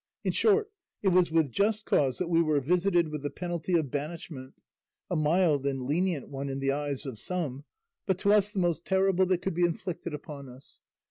In short it was with just cause that we were visited with the penalty of banishment, a mild and lenient one in the eyes of some, but to us the most terrible that could be inflicted upon us.